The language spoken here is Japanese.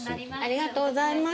ありがとうございます